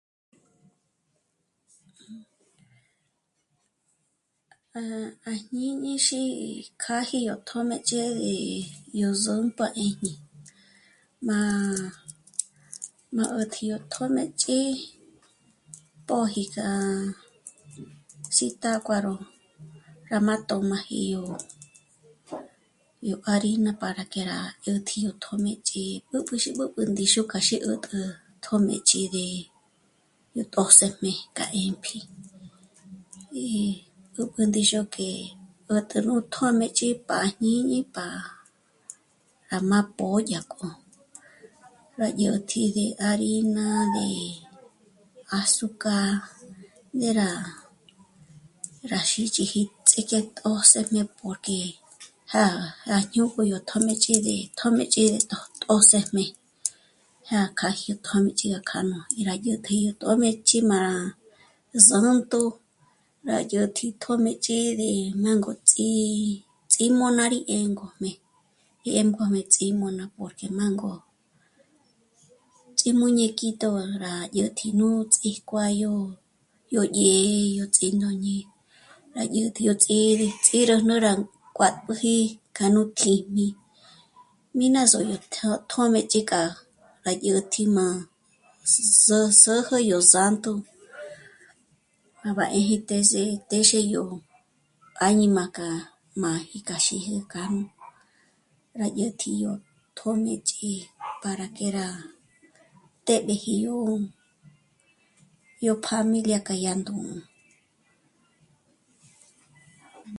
À jñini xîji kjâji yó tjṓmëch'i yó sûmp'a 'èjñe m'a 'ä̀tji yó tjṓmëch'i póji kja Zitácuaro rá má'tö̌m'aji yó harina para que rá 'ä̀tji yó tjṓmëch'i 'ä́p'äxi nú ndíxu dyák'a xí 'ä̀t'ä̀ tjṓmëch'i para nú ndíxu k'a xí 'ä̀t'ä tjṓmëch'i de... yó tjṓsëjme kja 'ë́mp'i y... 'ä̀tpjü ndíxu que 'ä̀t'ä nú tjṓmëch'i pa jñíni pa rá má pô'o dya rá dyä̀tji de harina, de... azúcar, ndé rá xíchiji ts'íjketo tjṓsëjme porque já'a rá jñū́'ū de tjṓmëch'i de tjṓsëjme kja k'á'a jyó tjṓmëch'i tjṓsëjme í rá dyä̀t'äji nú tjṓmëch'i m'a zä̂nt'ü rá dyä̀tji tjṓmëch'i ndínângo ts'i ts'ímonâ rí 'éngójme dyé'e nguájmi ts'íngajme porque má ngó'o. Ts'ímuñequito rá dyä̀tji nú ts'íjkuáyo yó jë́'ë yó ts'íjñóñi rá dyä̀tji ó ts'íre nó ngó'o ná kuát'pjüji k'a nú kjíjmi, mí na sódyo téj t'a tjṓmëch'i kja dyä̀tji má s'ǜsüju yó santo ná'b'a 'éji tése yó téxe yó áñima kja mâji kja rá xí'i kja rá dyä̀tji yó tjṓmëch'i para que rá té'b'éji yó pjámilia kja dyá ndū́'ū